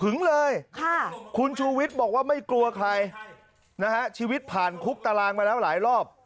เลยคุณชูวิทย์บอกว่าไม่กลัวใครนะฮะชีวิตผ่านคุกตารางมาแล้วหลายรอบ